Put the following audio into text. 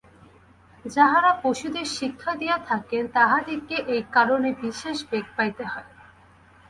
যাঁহারা পশুদের শিক্ষা দিয়া থাকেন, তাঁহাদিগকে এই কারণে বিশেষ বেগ পাইতে হয়।